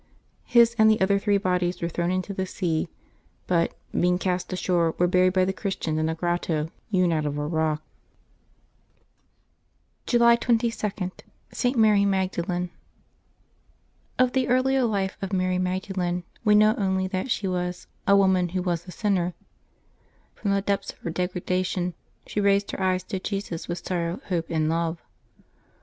His and the other three bodies were thrown into the sea, but, being cast ashore, were buried by the Christians in a grotto hewn out of a rock. July 22.— ST. MARY MAGDALEN. OF the earlier life of Mary Magdalen we know only that she was "a woman who was a sinner." From the depth of her degradation she raised her eyes to Jesus with sorrow, hope, and love.